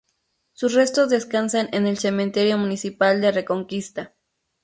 Sus restos descansan en el Cementerio Municipal de Reconquista.